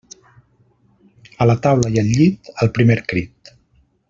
A la taula i al llit, al primer crit.